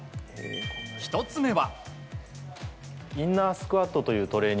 １つ目は。